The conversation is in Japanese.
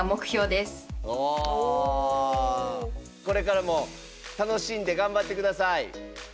これからも楽しんで頑張って下さい。